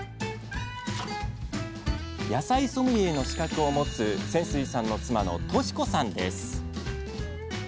野菜ソムリエの資格を持つ泉水さんの妻の淑子さんです。